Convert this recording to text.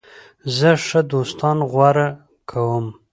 زه ښه دوستان غوره کوم.